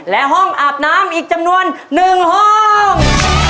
และห้องอาบน้ำอีกจำนวน๑ห้อง